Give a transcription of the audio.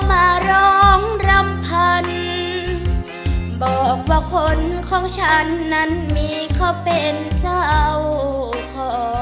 มาร้องรำพันบอกว่าคนของฉันนั้นมีเขาเป็นเจ้าพ่อ